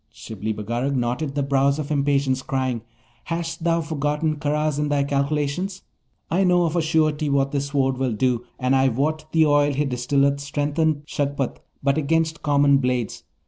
Shibli Bagarag knotted the brows of impatience, crying, 'Hast thou forgotten Karaz in thy calculations? I know of a surety what this Sword will do, and I wot the oil he distilleth strengtheneth Shagpat but against common blades.